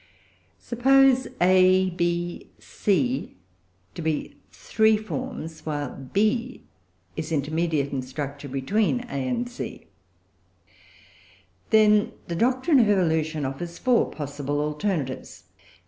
Suppose A, B, C to be three forms, while B is intermediate in structure between A and C. Then the doctrine of evolution offers four possible alternatives.